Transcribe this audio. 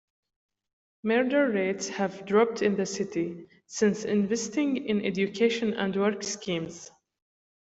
Murder rates have dropped in this city since investing in education and work schemes.